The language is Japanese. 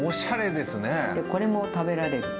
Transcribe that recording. でこれも食べられるの。